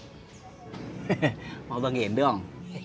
hehehe mau bagiin dong